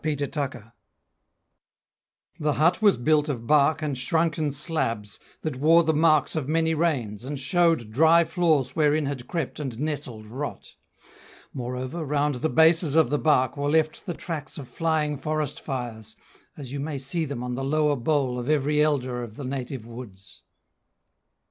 A Death in the Bush The hut was built of bark and shrunken slabs, That wore the marks of many rains, and showed Dry flaws wherein had crept and nestled rot. Moreover, round the bases of the bark Were left the tracks of flying forest fires, As you may see them on the lower bole Of every elder of the native woods.